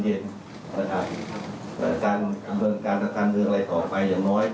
ดังนั้นการอะไรต่อไปอย่างน้อย